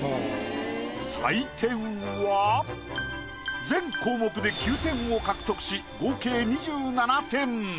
採点は全項目で９点を獲得し合計２７点。